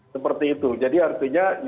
seperti itu jadi artinya